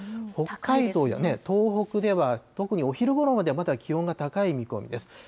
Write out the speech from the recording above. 北海道や東北では、特にお昼ごろまではまだ気温が高い見込みです。